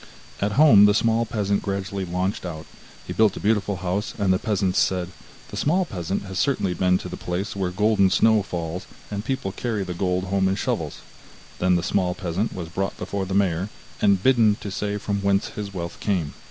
At home the small peasant gradually launched out; he built a beautiful house, and the peasants said: 'The small peasant has certainly been to the place where golden snow falls, and people carry the gold home in shovels.' Then the small peasant was brought before the mayor, and bidden to say from whence his wealth came.